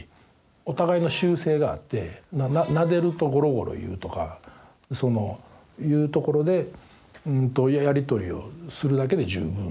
お互いの習性があってなでるとゴロゴロいうとかそのいうところでやり取りをするだけで十分。